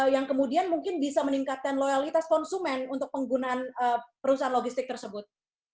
yang kemudian mungkin bisa meningkatkan loyalitas konsumen untuk penggunaan perusahaan logistik tersebut